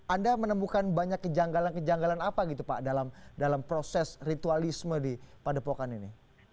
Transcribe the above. anda menemukan banyak kejanggalan kejanggalan apa gitu pak dalam proses ritualisme di padepokan ini